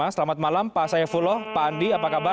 selamat malam pak saifullah pak andi apa kabar